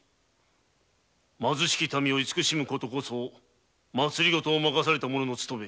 貧しき民を慈しむことこそ政を任された者の務め。